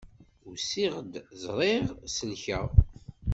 Usiɣ-d, ẓriɣ, selkeɣ.